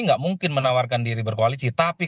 nggak mungkin menawarkan diri berkoalisi tapi